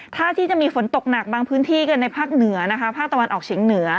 ถ้าที่จะมีฝนตกหนักบางพื้นที่กันในภาคเหนือนะคะภาคตะวันออกเฉียงเหนือ